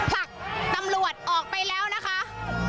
ผลักตำรวจออกไปแล้วนะคะ